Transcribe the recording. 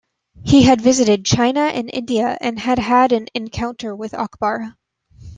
He had visited China and India, and had an encounter with Akbar.